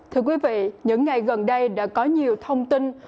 thưa quý vị những ngày gần đây đã có nhiều thông tin